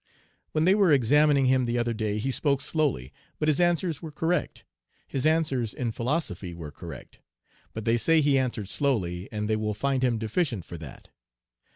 "When they were examining him the other day he spoke slowly, but his answers were correct. His answers in philosophy were correct. But they say he answered slowly, and they will find him deficient for that.